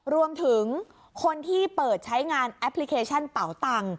รวมถึงคนที่เปิดใช้งานแอปพลิเคชันเป่าตังค์